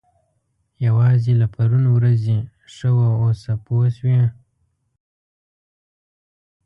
یوازې له پرون ورځې ښه واوسه پوه شوې!.